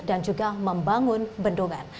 dan juga membangun bendungan